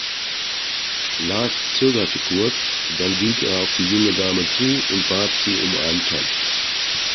Lars zögerte kurz, dann ging er auf die junge Dame zu und bat sie um einen Tanz.